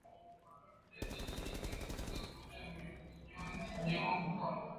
Dalili nyinginezo za ugonjwa wa minyoo ni mnyama kukonda